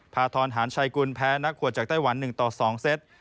ทรหารชัยกุลแพ้นักขวดจากไต้หวัน๑ต่อ๒เซต